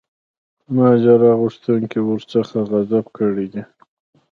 ماجرا غوښتونکو ورڅخه غصب کړی دی.